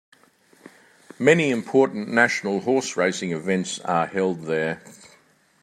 Many important national horse racing events are held there.